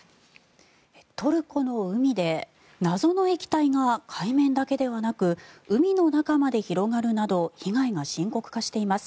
トルコの海で謎の液体が海面だけではなく海の中まで広がるなど被害が深刻化しています。